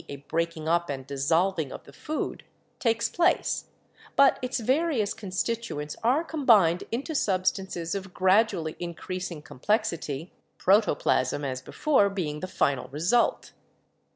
a breaking up and dissolving of the food, takes place, but its various constituents are combined into substances of gradually increasing complexity, protoplasm, as before, being the final result.